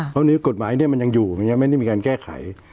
เพราะกฎหมายเนี่ยมันยังอยู่มันยังไม่ได้มีการแก้ไข